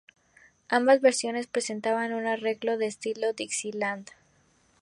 Ambas versiones presentaban un arreglo de estilo Dixieland.